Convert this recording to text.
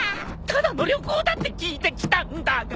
ただの旅行だって聞いて来たんだ。